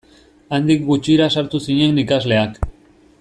Handik gutxira sartu zinen ikasleak.